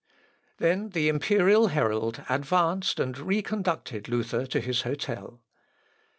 Then the imperial herald advanced and reconducted Luther to his hôtel.